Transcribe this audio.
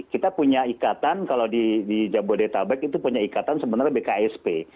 kita punya ikatan kalau di jabodetabek itu punya ikatan sebenarnya bksp